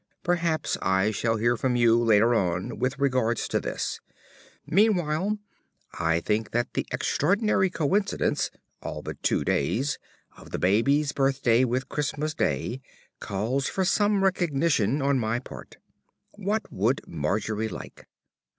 Perhaps I shall hear from you later on with regard to this. Meanwhile I think that the extraordinary coincidence (all but two days) of the baby's birthday with Christmas Day calls for some recognition on my part. What would Margery like?